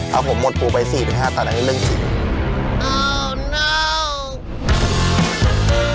เอาผมหมดปูไป๔๕ต่างในเรื่องศิลป์